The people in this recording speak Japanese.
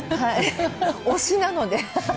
推しなので。